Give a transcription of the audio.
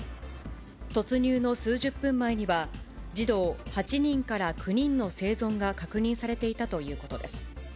突入の数十分前には、児童８人から９人の生存が確認されていたということです。